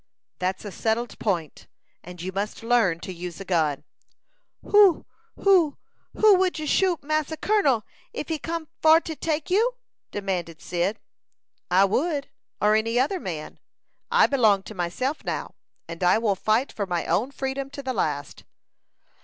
"That's a settled point, and you must learn to use a gun." "Woo woo woo would you shoot Massa Kun'l, if he come for to take you?" demanded Cyd. "I would, or any other man. I belong to myself now, and I will fight for my own freedom to the last."